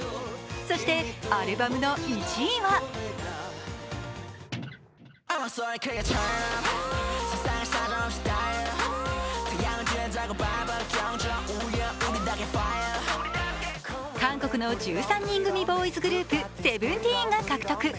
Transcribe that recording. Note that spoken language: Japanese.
そして、アルバムの１位は韓国の１３人組ボーイズグループ、ＳＥＶＥＮＴＥＥＮが獲得。